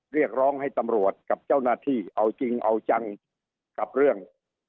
เรียกร้องให้ตำรวจกับเจ้าหน้าที่เอาจริงเอาจังกับเรื่อง